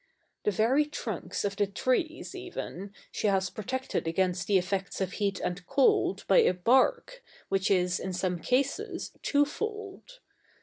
The very trunks of the trees even, she has protected against the effects of heat and cold by a bark, which is, in some cases, twofold.